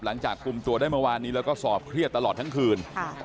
หลังจากคุมตัวได้เมื่อวานนี้แล้วก็สอบเครียดตลอดทั้งคืน